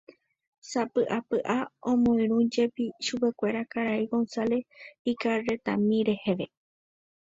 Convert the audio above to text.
Sapy'apy'a omoirũjepi chupekuéra karai González ikarretami reheve.